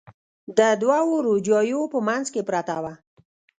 د دوو روجاییو په منځ کې پرته وه.